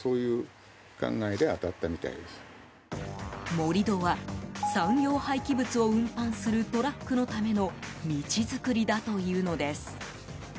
盛り土は産業廃棄物を運搬するトラックのための道作りだというのです。